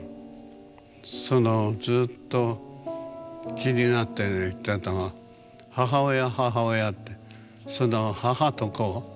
そのずっと気になっていたのは母親母親ってその母と子。